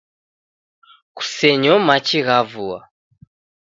Kusenyo machi gha vua